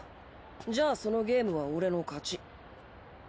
じゃあそのゲームは俺の勝ち。